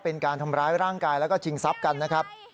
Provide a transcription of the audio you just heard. เป็นการทำร้ายร่างกายแล้วก็ชิงทรัพย์กันนะครับ